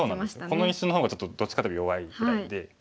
この石の方がちょっとどっちかというと弱いぐらいで。